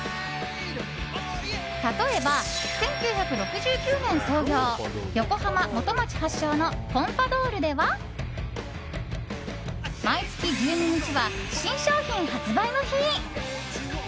例えば１９６９年創業横浜・元町発祥のポンパドウルでは毎月１２日は新商品発売の日。